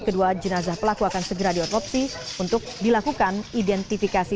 kedua jenazah pelaku akan segera diotopsi untuk dilakukan identifikasi